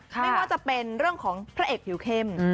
ไม่ว่าจะเป็นเรื่องของพระเอกผิวเข้ม